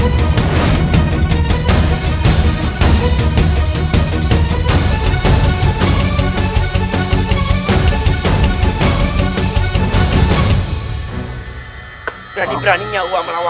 untuk ibu dan aku